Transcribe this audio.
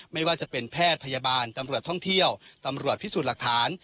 ไม่ว่าจะเป็นแพทย์พยาบาลตำรวจท่องเที่ยวตำรวจพิสูจน์หลักฐาน